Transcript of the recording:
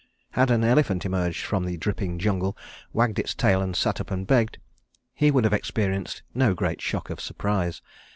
Had an elephant emerged from the dripping jungle, wagged its tail and sat up and begged, he would have experienced no great shock of surprise.